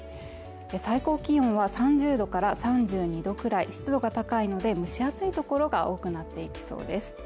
最高気温は３０度から３２度くらい湿度が高いので蒸し暑いところが多くなっていきそうです。